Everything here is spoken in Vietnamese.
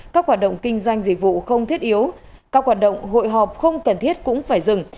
các hoạt động kinh doanh dịch vụ không thiết yếu các hoạt động hội họp không cần thiết cũng phải dừng